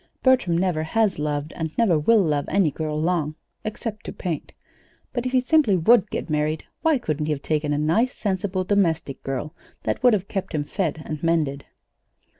Bertram never has loved and never will love any girl long except to paint. But if he simply would get married, why couldn't he have taken a nice, sensible domestic girl that would have kept him fed and mended?